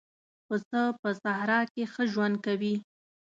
پسه په صحرا کې ښه ژوند کوي.